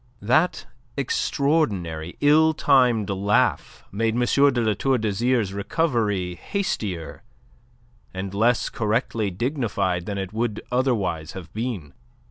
That extraordinary, ill timed laugh made M. de La Tour d'Azyr's recovery hastier and less correctly dignified than it would otherwise have been.